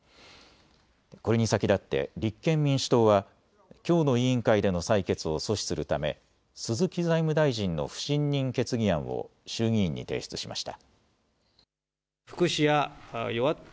これに先立って立憲民主党はきょうの委員会での採決を阻止するため鈴木財務大臣の不信任決議案を衆議院に提出しました。